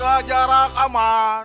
jaga jarak aman